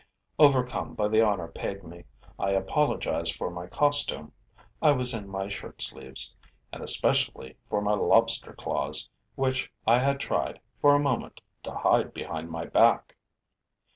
Overcome by the honor paid me, I apologized for my costume I was in my shirt sleeves and especially for my lobster claws, which I had tried, for a moment, to hide behind my back.